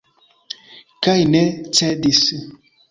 Kaj ne cedis.